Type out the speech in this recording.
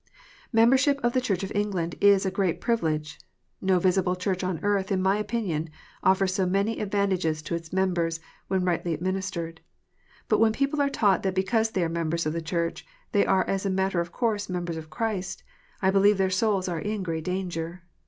Membership of the Church of England is a great privilege. No visible Church on earth, in my opinion, offers so many advantages to its members, when rightly administered. But when people are taught that because they are members of the Church, they are as a matter of course members of Christ, I believe their souls are in great danger.